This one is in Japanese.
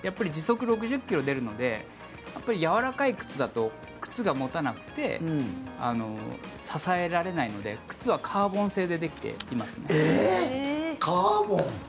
時速６０ｋｍ出るのでやわらかい靴だと靴が持たなくて支えられないので靴はカーボン製でできています。